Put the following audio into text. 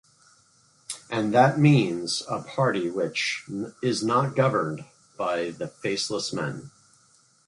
And that means a party which is not governed by the faceless men.